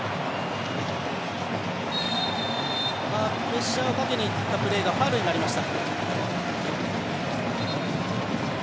プレッシャーをかけにいったプレーがファウルになりました。